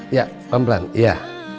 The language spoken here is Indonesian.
iya pelan pelan iya